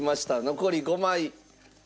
残り５枚。